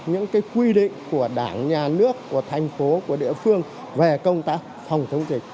những quy định của đảng nhà nước thành phố địa phương về công tác phòng chống dịch